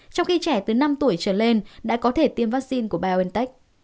trong khi trẻ từ năm tuổi trở lên đã có thể tiêm vaccine của biontech